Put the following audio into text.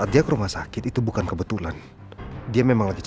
apa yang ada di sini